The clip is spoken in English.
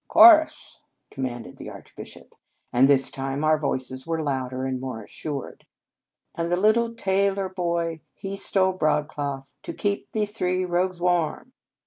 " Chorus !" commanded the Arch bishop; and this time our voices were louder and more assured. "And the little tailor boy, he stole broad cloth, To keep these three rogues warm."